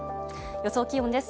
予想気温です。